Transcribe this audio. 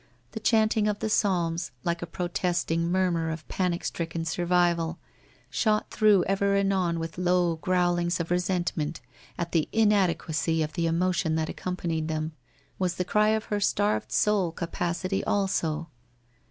The chant ing of the Psalms, like a protesting murmur of panic stricken survival, shot through ever and anon with low growlings of resentment at the inadequacy of the emotion that accompanied them, was the cry of her starved soul capacity also.